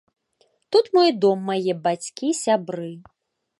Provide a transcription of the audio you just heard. Тут мой дом, мае бацькі, сябры.